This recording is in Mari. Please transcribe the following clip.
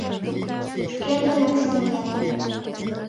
Шкетынак сеҥет.